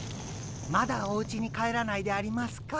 まだおうちに帰らないでありますか？